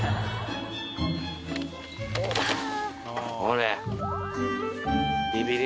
ほれ。